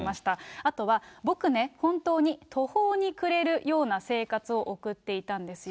あとは僕ね、本当に途方に暮れるような生活を送っていたんですよ。